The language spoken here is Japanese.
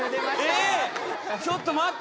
ちょっと待って。